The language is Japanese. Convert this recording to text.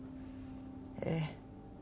ええ。